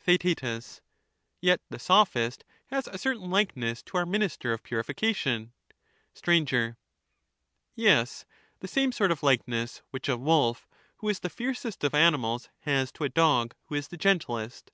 Theaet. Yet the Sophist has a certain likeness'^to our minister of purification. Str. Yes, the same sort of likeness which a wolf, who is the Let us fiercest of animals, has to a dog, who is the gentlest.